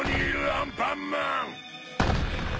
アンパンマン！